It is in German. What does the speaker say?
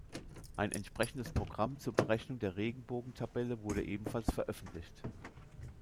Ein entsprechendes Programm zur Berechnung der Regenbogen-Tabelle wurde ebenfalls veröffentlicht.